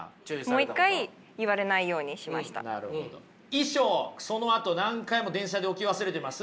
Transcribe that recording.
衣装そのあと何回も電車で置き忘れてます？